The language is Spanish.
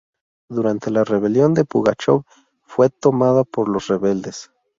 Durante la rebelión de Pugachov fue tomada por los rebeldes.